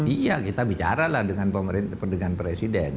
iya kita bicara lah dengan presiden